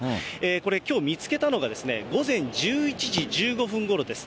これ、きょう、見つけたのが午前１１時１５分ごろです。